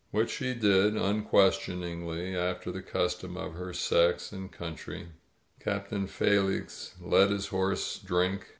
Which she did, un questioningly, after the custom of her sex and country. Captain Felix let his horse drink.